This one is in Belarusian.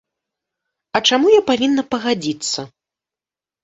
А чаму я павінна пагадзіцца?